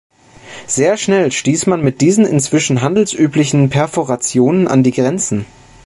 Sehr schnell stieß man mit diesen inzwischen handelsüblichen Perforationen an die Grenzen.